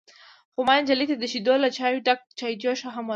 _خو ما نجلۍ ته د شيدو له چايو ډکه چايجوشه ورکړه.